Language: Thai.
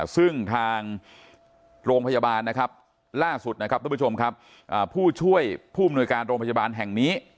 ซึ่งทางโรงพยาบาลนะครับล่าสุดนะครับท่านผู้ช่วยผู้มนุยการแห่งนี้